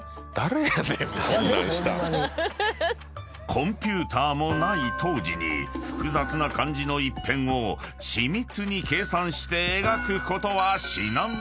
［コンピューターもない当時に複雑な漢字の一辺を緻密に計算して描くことは］